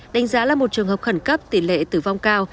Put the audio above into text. đánh giá là một trường hợp khẩn cấp tỷ lệ tử vong cao